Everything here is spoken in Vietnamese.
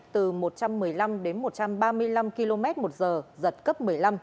từ một trăm một mươi năm đến một trăm ba mươi năm km một giờ giật cấp một mươi năm